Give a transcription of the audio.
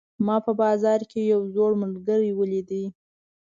ما په بازار کې یو زوړ ملګری ولید